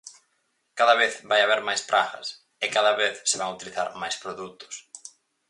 "Cada vez vai haber máis pragas" e "cada vez se van utilizar máis produtos".